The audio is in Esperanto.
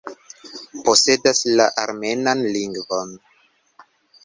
Posedas la armenan lingvon.